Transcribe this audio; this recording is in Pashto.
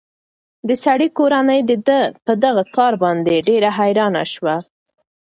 د سړي کورنۍ د ده په دغه کار باندې ډېره حیرانه شوه.